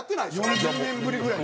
４０年ぶりぐらい。